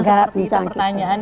seperti itu pertanyaan